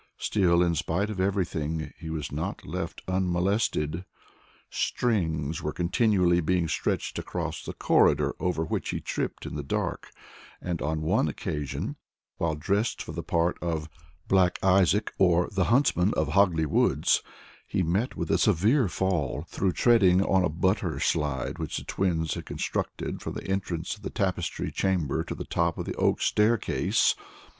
Still, in spite of everything he was not left unmolested. Strings were continually being stretched across the corridor, over which he tripped in the dark, and on one occasion, while dressed for the part of "Black Isaac, or the Huntsman of Hogley Woods," he met with a severe fall, through treading on a butter slide, which the twins had constructed from the entrance of the Tapestry Chamber to the top of the oak staircase.